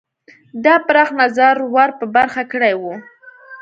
دا پراخ نظر ور په برخه کړی وو.